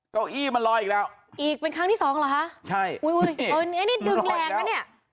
เก้าอี้มันลอยอีกแล้วอีกเป็นครั้งที่สองเหรอคะใช่อุ้ยตอนนี้นี่ดึงแรงนะเนี่ย